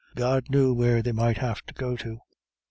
God knew where they might have got to.